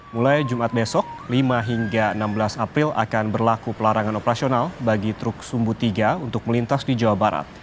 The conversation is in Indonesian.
mulai jumat besok lima hingga enam belas april akan berlaku pelarangan operasional bagi truk sumbu tiga untuk melintas di jawa barat